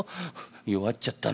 弱っちゃったな。